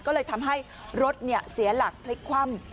ก็เลยทำให้รถเสียหลักพลิกคว่ำ